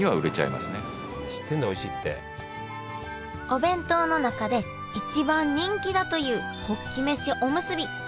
お弁当の中で一番人気だというホッキ飯おむすび。